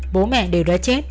bố mẹ đều đã chết